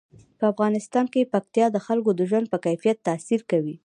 په افغانستان کې پکتیا د خلکو د ژوند په کیفیت تاثیر کوي.